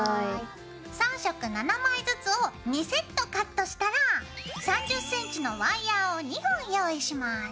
３色７枚ずつを２セットカットしたら３０ｃｍのワイヤーを２本用意します。